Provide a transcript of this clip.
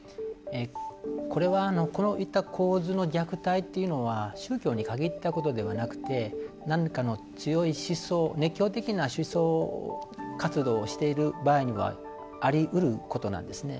これは、こういった構図の虐待っていうのは宗教に限ったことではなくて何かの強い思想、熱狂的な思想活動をしている場合にはありうることなんですね。